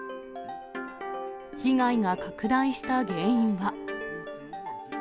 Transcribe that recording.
被害が拡大した原因は。